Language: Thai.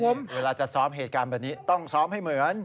เวลาที่จะสอนเหตุการณ์แบบนี้ต้องที่จะสอนเหมือน